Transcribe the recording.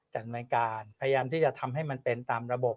ดำเนินการพยายามที่จะทำให้มันเป็นตามระบบ